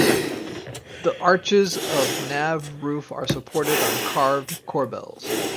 The arches of the nave roof are supported on carved corbels.